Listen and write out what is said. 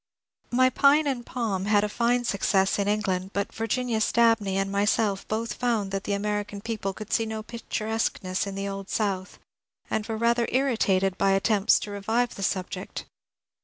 My ^^ Pine and Palm " had a fine success in England, but Virginius Dabney and myself both found that the American people could see no picturesqueness in the old South, and were rather irritated by attempts to revive the subject.